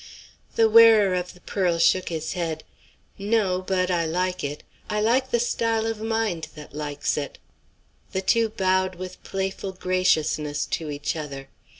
The wearer of the pearl shook his head. "No. But I like it. I like the style of mind that likes it." The two bowed with playful graciousness to each other.